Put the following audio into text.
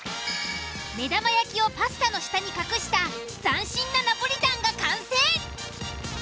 目玉焼きをパスタの下に隠した斬新なナポリタンが完成！